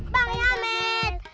bang ya met